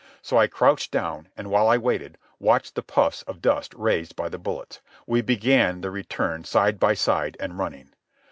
So I crouched down, and, while I waited, watched the puffs of dust raised by the bullets. We began the return side by side and running.